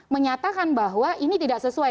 menyatakan bahwa ini tidak sesuai